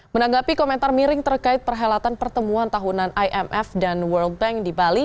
menanggapi komentar miring terkait perhelatan pertemuan tahunan imf dan world bank di bali